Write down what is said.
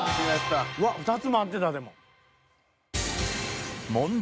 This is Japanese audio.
わあ２つも合ってたでも。問題。